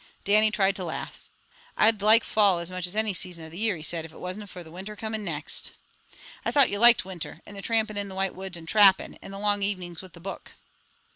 Dannie tried to laugh. "I'd like fall as much as any season of the year," he said, "if it wasna for winter coming next." "I thought you liked winter, and the trampin' in the white woods, and trappin', and the long evenings with a book."